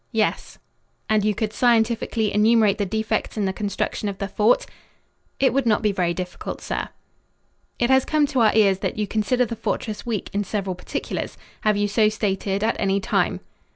"Yes." "And you could scientifically enumerate the defects in the construction of the fort?" "It would not be very difficult, sir." "It has come to our ears that you consider the fortress weak in several particulars. Have you so stated at any time?"